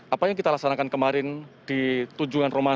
apa yang kita laksanakan kemarin di tujuan rumah